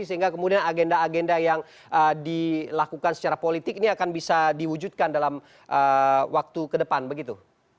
sehingga kemudian agenda agenda yang dilakukan secara politik ini akan bisa diwujudkan dalam waktu ke depan begitu